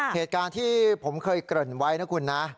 เหตุการณ์ที่ผมเคยเกริ่นไว้นะคุณนะ